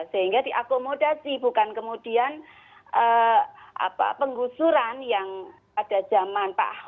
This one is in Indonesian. sehingga diakomodasi bukan kemudian apa penggusuran yang pada zaman pak ho itu sudah dianggap